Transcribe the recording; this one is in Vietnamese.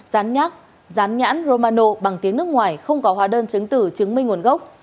rán nhãn romano bằng tiếng nước ngoài không có hóa đơn chứng tử chứng minh nguồn gốc